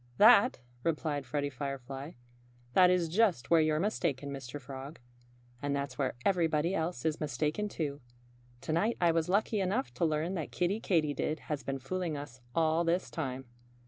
"That " replied Freddie Firefly "that is just where you're mistaken, Mr. Frog. And that's where everybody else is mistaken, too. To night I was lucky enough to learn that Kiddie Katydid has been fooling us all this time."